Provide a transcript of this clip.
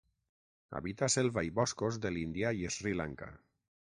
Habita selva i boscos de l'Índia i Sri Lanka.